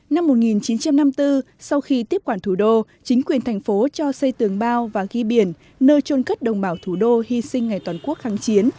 năm một nghìn chín trăm năm mươi bốn sau khi tiếp quản thủ đô chính quyền thành phố cho xây tường bao và ghi biển nơi trôn cất đồng bào thủ đô hy sinh ngày toàn quốc kháng chiến